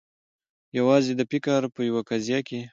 یوازي د فکر په یوه قضیه کي